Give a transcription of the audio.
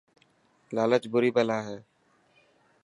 لالچ بري بلا هي.